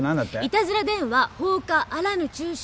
イタズラ電話放火あらぬ中傷！